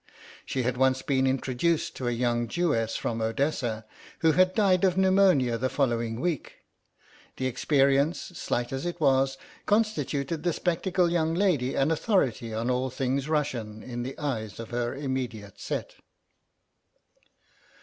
She had once been introduced to a young Jewess from Odessa, who had died of pneumonia the following week; the experience, slight as it was, constituted the spectacled young lady an authority on all things Russian in the eyes of her immediate set.